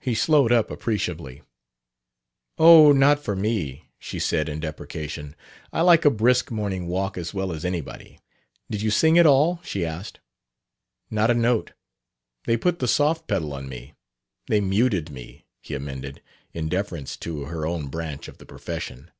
He slowed up appreciably. "Oh, not for me!" she said in deprecation. "I like a brisk morning walk as well as anybody. Did you sing at all?" she asked. "Not a note. They put the soft pedal on me. They 'muted' me," he amended, in deference to her own branch of the profession.